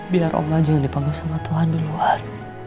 biar om aja yang dipanggil sama tuhan duluan